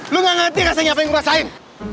lu gak ngerti rasanya apa yang gue rasain